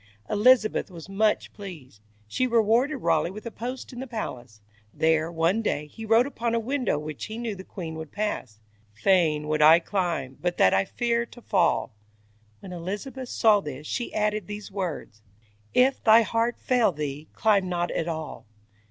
Elizabeth was much pleased; she rewarded Raleigh with a post in the palace. There, one day, he wrote upon a window which he knew the queen would pass: "Fain would I climb, but that I fear to fall". When Elizabeth saw this, she added these words: "If thy heart fail thee, climb not at all".